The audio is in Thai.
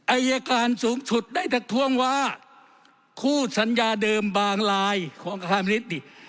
อัยการสูงสุดได้ทั้งท่วงว่าคู่สัญญาเดิมบางรายของค่าพนิษฐ์